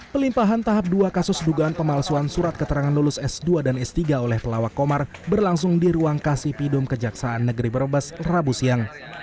pelimpahan tahap dua kasus dugaan pemalsuan surat keterangan lulus s dua dan s tiga oleh pelawak komar berlangsung di ruang kasipidum kejaksaan negeri brebes rabu siang